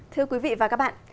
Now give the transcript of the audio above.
thưa quý vị và các bạn